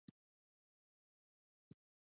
دا زموږ راتلونکی دی.